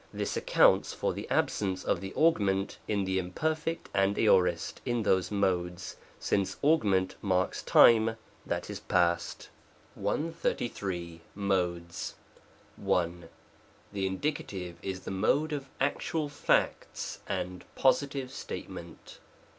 This accounts for the absence of the augment in the Imperf. and Aor. in those Modes, since augment marks time that is past. §133. Modes. 1. The Indicative is the Mode of actual facts, and positive statement.